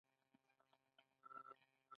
توت خوري